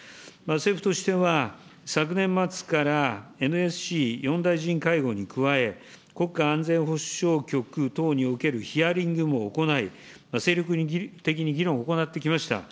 政府としては、昨年末からＮＳＣ４大臣会合に加え、国家安全保障局等におけるヒアリングも行い、精力的に議論を行ってきました。